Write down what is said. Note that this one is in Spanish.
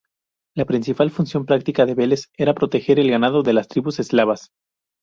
La principal función práctica de Veles era proteger el ganado de las tribus eslavas.